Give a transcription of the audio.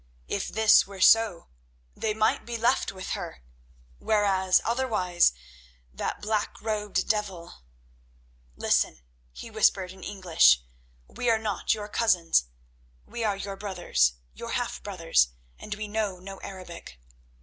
If this were so, they might be left with her, whereas otherwise that black robed devil— "Listen," he whispered in English; "we are not your cousins—we are your brothers, your half brothers, and we know no Arabic."